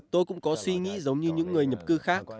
tôi cũng có suy nghĩ giống như những người nhập cư khác